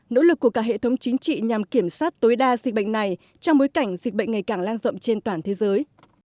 nỗ lực của cả hệ thống chính trị nhằm kiểm soát tối đa dịch bệnh này trong bối cảnh dịch bệnh ngày càng lan rộng trên toàn thế giới